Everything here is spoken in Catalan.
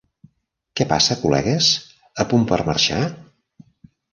Què passa, col·legues? A punt per marxar?